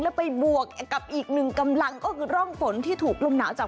แล้วไปบวกกับอีกหนึ่งกำลังก็คือร่องฝนที่ถูกลมหนาวจาก